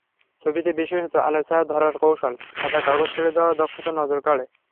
ছবিতে বিশেষত, আলোছায়া ধরার কৌশল—সাদা কাগজ ছেড়ে দেওয়ার দক্ষতা নজর কাড়ে।